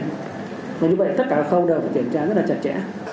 nên như vậy tất cả khâu đều phải kiểm tra rất là chặt chẽ